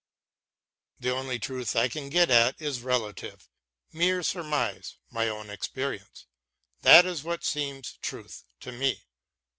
The only truth I can get at is relative, mere surmise, my own experience — that is what seems truth to me.